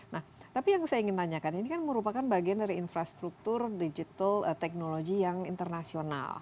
nah tapi yang saya ingin tanyakan ini kan merupakan bagian dari infrastruktur digital technology yang internasional